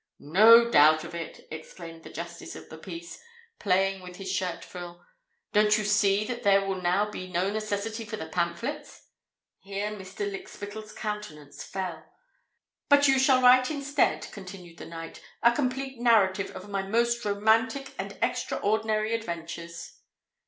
"No doubt of it!" exclaimed the Justice of the Peace, playing with his shirt frill. "Don't you see that there will be now no necessity for the pamphlets?" Here Mr. Lykspittal's countenance fell. "But you shall write instead," continued the knight, "a complete narrative of my most romantic and extraordinary adventures."